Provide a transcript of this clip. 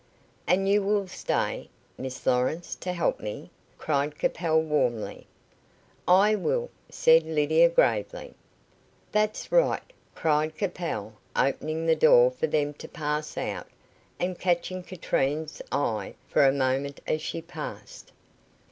"And you will stay, Miss Lawrence, to help me?" cried Capel, warmly. "I will," said Lydia, gravely. "That's right," cried Capel, opening the door for them to pass out, and catching Katrine's eye for a moment as she passed.